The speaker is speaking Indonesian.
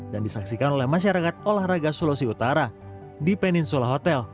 dan disaksikan oleh masyarakat olahraga sulawesi utara di peninsular hotel